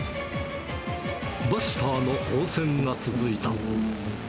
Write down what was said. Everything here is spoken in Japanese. バスターの応戦が続いた。